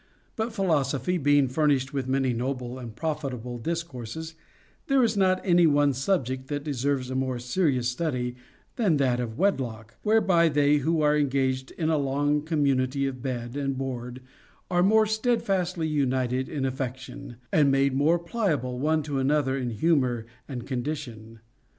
But philosophy being furnished with many noble and profitable discourses, there is not any one subject that deserves a more serious study than that of wedlock, whereby they who are engaged in a long community of bed and board are more steadfastly united in affection, and made more pliable one to another in humor and condition.